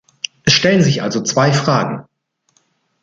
Es stellen sich also zwei Fragen.